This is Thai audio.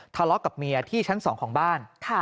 ทะเลาะกับเมียที่ชั้น๒ของบ้าน